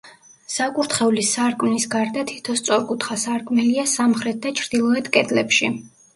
საკურთხევლის სარკმლის გარდა თითო სწორკუთხა სარკმელია სამხრეთ და ჩრდილოეთ კედლებში.